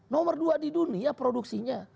nomor dua di dunia produksinya